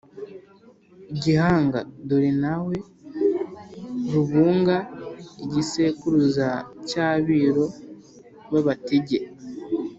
gihanga; dore nawe: rubunga igisekuruza cy'abiru b'abatege